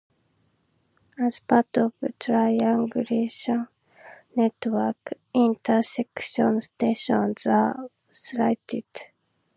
As part of triangulation networks, intersection stations were sighted.